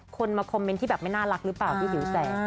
มาคอมเมนต์ที่แบบไม่น่ารักหรือเปล่าที่หิวแสง